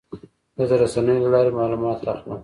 زه د رسنیو له لارې معلومات اخلم.